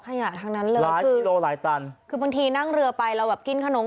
ขยะทั้งนั้นเลยหลายกิโลหลายตันคือบางทีนั่งเรือไปเราแบบกินขนม